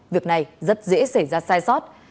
việc này rất dễ xảy ra sai sót